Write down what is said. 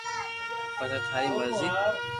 پسي ٿاري مرزي